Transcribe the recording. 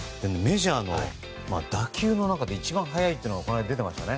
メジャーの打球の中で一番早いというのが出てましたね。